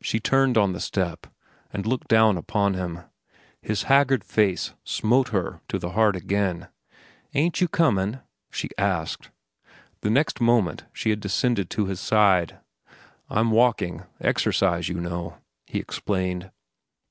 She turned on the step and looked down upon him. His haggard face smote her to the heart again. "Ain't you comin'?" she asked The next moment she had descended to his side. "I'm walking—exercise, you know," he explained.